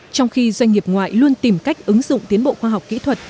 trong khi doanh nghiệp ngoại luôn tìm cách ứng dụng tiến bộ khoa học kỹ thuật